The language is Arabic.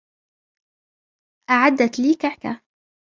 أعدت لي كعكة.